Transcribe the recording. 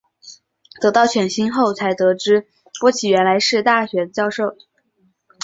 到达犬星后才得知波奇原来是大学的教授。